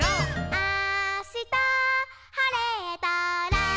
「あしたはれたら」